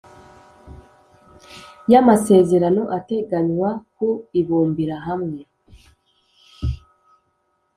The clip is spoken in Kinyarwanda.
y amasezerano ateganywa ku ibumbira hamwe